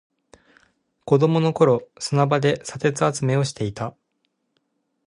子供の頃、砂場で砂鉄集めをしていた。